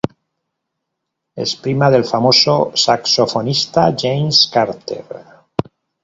Es prima del famoso saxofonista James Carter.